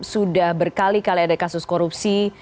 sudah berkali kali ada kasus korupsi